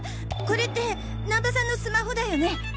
これって難波さんのスマホだよね！